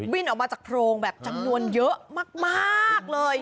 วิ่นออกมาจากโพรงแบบจำนวนเยอะมาก